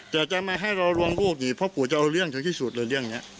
แต่จะมาให้เราร่วงโลกนี่พ่อปู่จะเอาเลี่ยงเท่าที่สุดเลยเลี่ยงเนี่ย